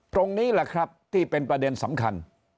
ตรงนี้แหละครับที่เป็นประเด็นสำคัญ